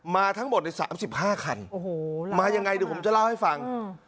มาทั้งหมดในสามสิบห้าคันโอ้โหมายังไงดูผมจะเล่าให้ฟังอืม